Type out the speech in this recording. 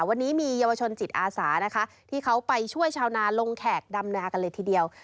วันนี้มีเยาวชนจิตอาสานะคะที่เขาไปช่วยชาวนาลงแขกดำนากันเลยทีเดียว